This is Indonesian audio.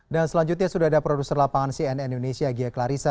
dan selanjutnya sudah ada produser lapangan cnn indonesia gia klarissa